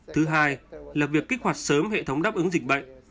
thứ hai là việc kích hoạt sớm hệ thống đáp ứng dịch bệnh